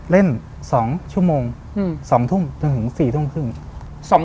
เล่น๒ชั่วโมง๒ทุ่มจนถึง๔ทุ่มครึ่ง